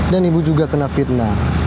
dan ibu juga kena fitnah